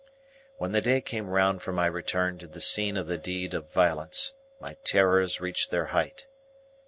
When the day came round for my return to the scene of the deed of violence, my terrors reached their height.